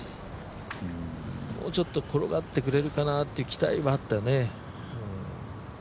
もうちょっと転がってくれるかなっていう期待はあったね。